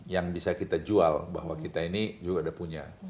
yang bisa kita jual bahwa kita ini juga ada punya